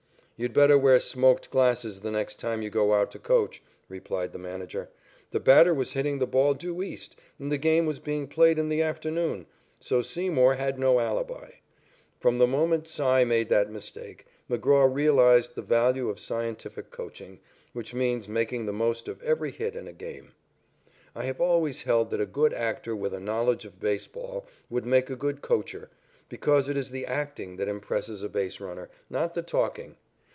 "You'd better wear smoked glasses the next time you go out to coach," replied the manager. The batter was hitting the ball due east, and the game was being played in the afternoon, so Seymour had no alibi. From the moment "Cy" made that mistake, McGraw realized the value of scientific coaching, which means making the most of every hit in a game. I have always held that a good actor with a knowledge of baseball would make a good coacher, because it is the acting that impresses a base runner, not the talking.